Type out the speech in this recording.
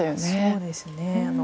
そうですね。